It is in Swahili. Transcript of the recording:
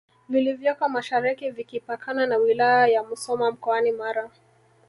vilivyoko mashariki vikipakana na wilaya ya Musoma mkoani Mara